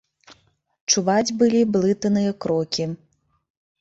Чуваць былі блытаныя крокі.